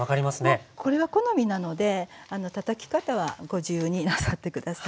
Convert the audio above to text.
もうこれは好みなのでたたき方はご自由になさって下さい。